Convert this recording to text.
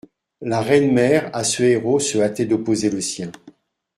La reine mère à ce héros se hâtait d'opposer le sien.